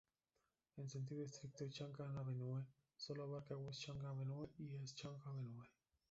En sentido estricto, Chang'an Avenue solo abarca West Chang'an Avenue y East Chang'an Avenue.